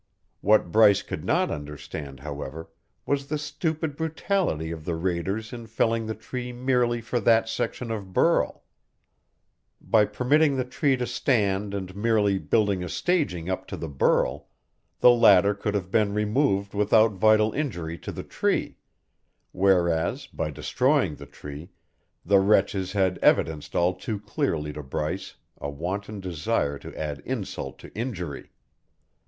What Bryce could not understand, however, was the stupid brutality of the raiders in felling the tree merely for that section of burl. By permitting the tree to stand and merely building a staging up to the burl, the latter could have been removed without vital injury to the tree whereas by destroying the tree the wretches had evidenced all too clearly to Bryce a wanton desire to add insult to injury.